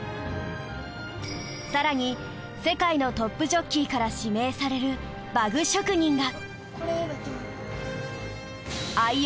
更に世界のトップジョッキーから指名される馬具職人が！